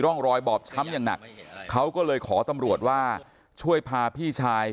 ร่องรอยบอบช้ำอย่างหนักเขาก็เลยขอตำรวจว่าช่วยพาพี่ชาย